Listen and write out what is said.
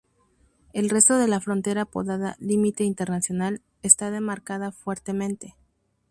El resto de la frontera, apodada "Límite Internacional", está demarcada fuertemente.